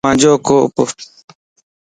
ايو مانجو ڪوپ